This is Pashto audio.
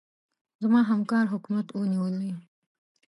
زما همکار حکومت ونيولې.